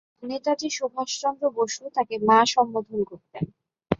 নেতাজী সুভাষ চন্দ্র বসু তাকে 'মা' সম্বোধন করতেন।